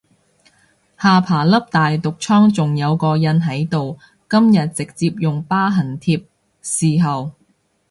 下巴粒大毒瘡仲有個印喺度，今日直接用疤痕貼侍候